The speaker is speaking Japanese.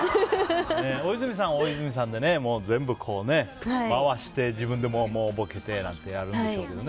大泉さんは大泉さんで全部回して、自分でもボケてなんてやるんでしょうけど。